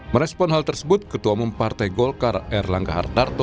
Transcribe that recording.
merespon hal tersebut ketua umum partai golkar erlangga hartarto